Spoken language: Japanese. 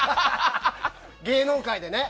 芸能界でね。